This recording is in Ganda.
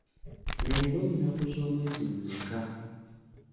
Leero nnaku z'omwezi mmeka?